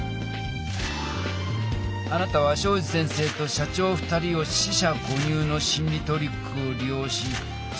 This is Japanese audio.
あなたは東海林先生と社長２人を四捨五入の心理トリックをり用しふ